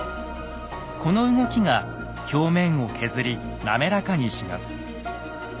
この動きが表面を削り滑らかにします。